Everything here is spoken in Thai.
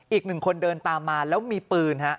อีกหนึ่งคนเดินตามมาแล้วมีปืนฮะ